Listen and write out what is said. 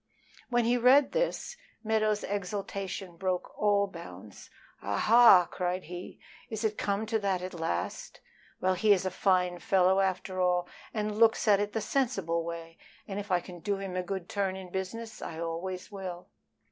When he read this, Meadows' exultation broke all bounds. "Ah ha!" cried he, "is it come to that at last? Well, he is a fine fellow after all, and looks at it the sensible way, and if I can do him a good turn in business I always will."